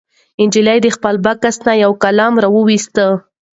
نجلۍ د خپل بکس نه یو قلم راوویست.